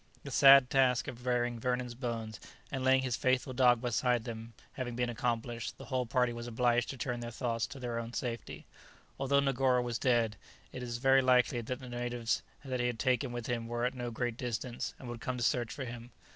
The sad task of burying Vernon's bones, and laying his faithful dog beside them having been accomplished, the whole party was obliged to turn their thoughts to their own safety. Although Negoro was dead, it as very likely that the natives that he had taken with him were at no great distance, and would come to search for him.